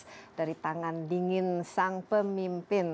lepas dari tangan dingin sang pemimpin